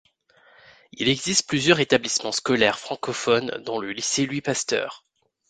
Il existe plusieurs établissements scolaires francophones dont le Lycée Louis Pasteur.